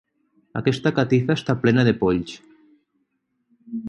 Aquesta catifa està plena de polls.